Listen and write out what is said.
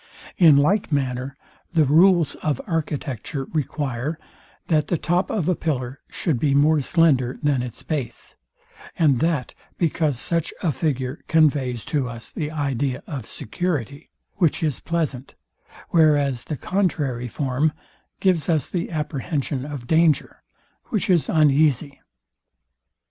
In like manner the rules of architecture require, that the top of a pillar should be more slender than its base, and that because such a figure conveys to us the idea of security, which is pleasant; whereas the contrary form gives us the apprehension of danger, which is uneasy.